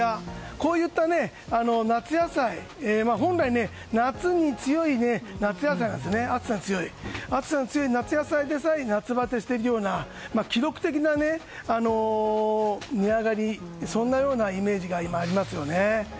こういった夏野菜本来なら暑さに強い夏野菜でさえ夏バテしているような記録的な値上がりなイメージが今、ありますよね。